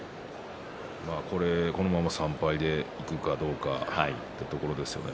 このまま３敗でいくかどうかというところですね。